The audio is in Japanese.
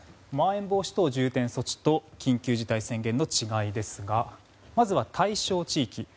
まん延防止等重点措置と緊急事態宣言の違いですがまずは対象地域。